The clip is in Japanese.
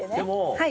はい。